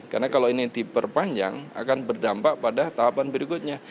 karena kalau ini diperpanjang akan berdampak pada tahapan berikutnya